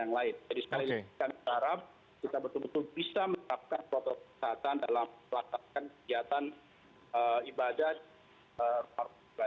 jadi sekali lagi kita harap kita betul betul bisa menerapkan protokol kehatan dalam melaksanakan kegiatan ibadah